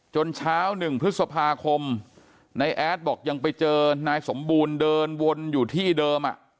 เช้า๑พฤษภาคมนายแอดบอกยังไปเจอนายสมบูรณ์เดินวนอยู่ที่เดิม